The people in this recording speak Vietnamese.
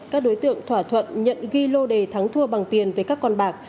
các đối tượng thỏa thuận nhận ghi lô đề thắng thua bằng tiền với các con bạc